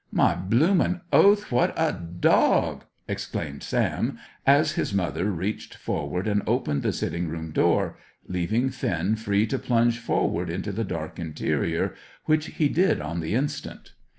"My bloomin' oath, what a dog!" exclaimed Sam, as his mother reached forward and opened the sitting room door, leaving Finn free to plunge forward into the dark interior, which he did on the instant.